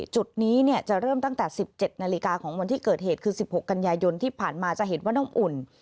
จุดนี้จะเริ่มตั้งแต่๑๗นาฬิกาของวันที่เกิดเหตุคือ๑๖กันยายนที่ผ่านมาจะเห็นว่าน้ำอุ่น